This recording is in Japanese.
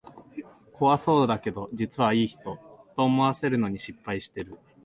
怖そうだけど実はいい人、と思わせるのに失敗してる